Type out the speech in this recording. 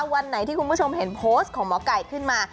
วันไหนที่คุณผู้ชมเห็นโพสต์ของหมอไก่ขึ้นมา